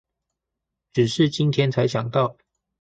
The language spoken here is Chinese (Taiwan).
只是今天才想到